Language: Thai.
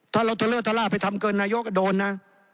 ถ้าเราเทเลอร์ทะล่าไปทำเกินนายกก็โดนนะ